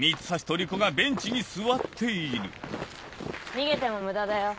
逃げても無駄だよ。